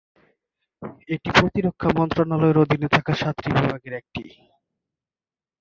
এটি প্রতিরক্ষা মন্ত্রণালয়ের অধীনে থাকা সাতটি বিভাগের একটি।